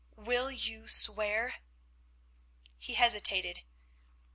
Will you swear?" He hesitated.